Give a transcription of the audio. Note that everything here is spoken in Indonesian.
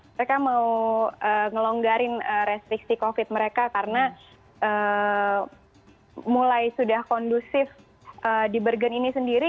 mereka mau ngelonggarin restriksi covid mereka karena mulai sudah kondusif di bergen ini sendiri